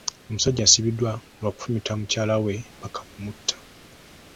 Omusajja asibiddwa lwa kufumita mukyala we paka kumutta.